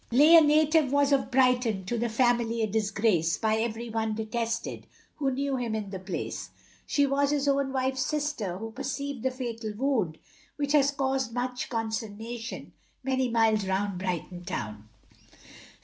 Leigh a native was of Brighton, To the family a disgrace, By every one detested, Who knew him in the place; She was his own wife's sister, Who received the fatal wound, Which has caused such consternation, Many miles round Brighton town.